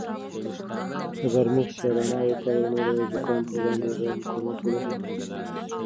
اگر موږ سیاه دانه وکاروو نو د زکام په وړاندې به مقاومت ولرو.